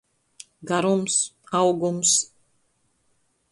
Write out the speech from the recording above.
Garums, augums.